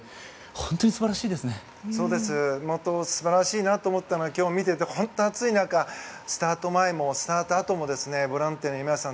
本当に素晴らしいと思ったのは僕が見ていて暑い中スタート前も、スタート後もボランティアの皆さん